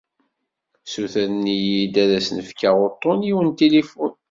Ssutren-iyi-d ad asen-fkeɣ uṭṭun-iw n tilifun.